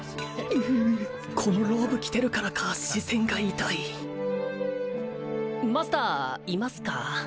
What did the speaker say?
うこのローブ着てるからか視線が痛いマスターいますか？